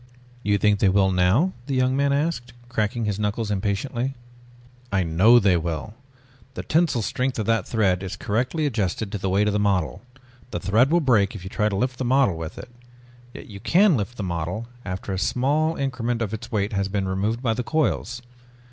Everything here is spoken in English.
"You think they will now?" the young man asked, cracking his knuckles impatiently. "I know they will. The tensile strength of that thread is correctly adjusted to the weight of the model. The thread will break if you try to lift the model with it. Yet you can lift the model after a small increment of its weight has been removed by the coils.